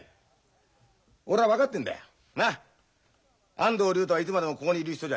安藤竜太はいつまでもここにいる人じゃねえ。